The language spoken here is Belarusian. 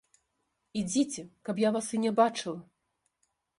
Ідзіце, каб я вас і не бачыла!